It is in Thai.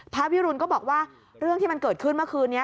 พระวิรุณก็บอกว่าเรื่องที่มันเกิดขึ้นเมื่อคืนนี้